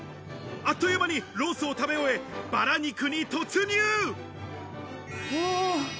あっという間にロースを食べ終え、バラ肉に突入。